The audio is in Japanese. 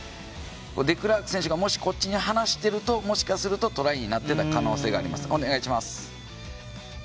デクラーク選手がこっちに離してるともしかしたらトライになってた可能性があります。